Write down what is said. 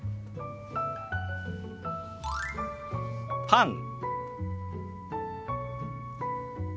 「パン」。